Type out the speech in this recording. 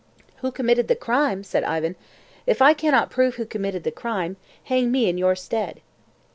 "Who committed the crime!" said Ivan. "If I cannot prove who committed the crime, hang me in your stead."